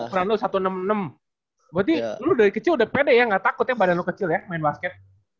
pranowo satu ratus enam puluh enam berarti lu dari kecil udah pede ya nggak takut ya badan lo kecil ya main basket